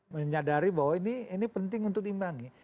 menyadari bahwa ini penting untuk diimbangi